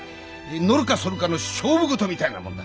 のるかそるかの勝負事みたいなもんだ。